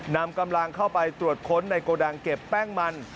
นำกำลังเข้าไปตรวจค้นในโกดังเก็บแป้งมัน